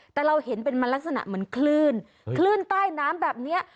แต่เราเห็นเป็นมันลักษณะเหมือนคลื่นคลื่นใต้น้ำแบบนี้